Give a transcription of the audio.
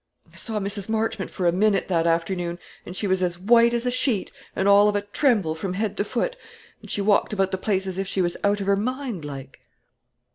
I saw Mrs. Marchmont for a minute that afternoon; and she was as white as a sheet, and all of a tremble from head to foot, and she walked about the place as if she was out of her mind like."